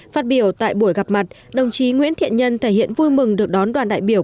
phát biểu tại buổi gặp mặt đồng chí nguyễn thiện nhân thể hiện vui mừng được đón đoàn đại biểu